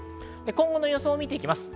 今後の様子を見ていきます。